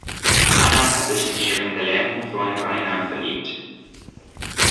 Anna hat sich in ihren gelähmten Freund Rainer verliebt.